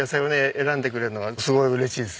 選んでくれるのはすごい嬉しいです。